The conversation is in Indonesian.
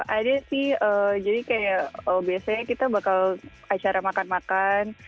ada sih jadi kayak biasanya kita bakal acara makan makan